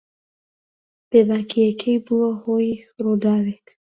بێباکییەکەی بووە هۆی ڕووداوێک.